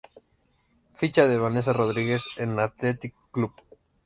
Ficha de Vanessa Rodríguez en Athletic Club